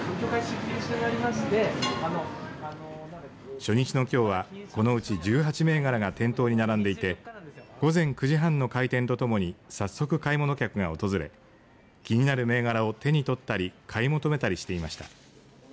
初日のきょうは、このうち１８銘柄が店頭に並んでいて午前９時半の開店とともに早速買い物客が訪れ気になる銘柄を手に取ったり買い求めたりしていました。